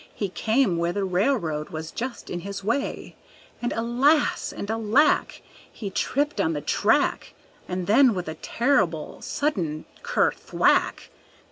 He came where the railroad was just in his way And alas! and alack! He tripped on the track And then with a terrible, sudden ker thwack!